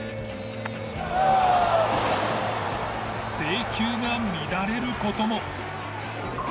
制球が乱れる事も。